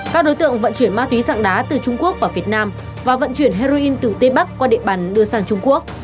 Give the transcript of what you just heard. các đối tượng vận chuyển ma túy sạng đá từ trung quốc vào việt nam và vận chuyển heroin từ tây bắc qua địa bàn đưa sang trung quốc